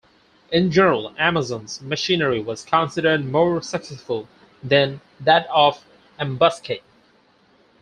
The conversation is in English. In general, "Amazon"s machinery was considered more successful than that of "Ambuscade".